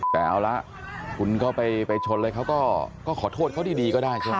แต่เอาละคุณก็ไปชนเลยเขาก็ขอโทษเขาดีก็ได้ใช่ไหม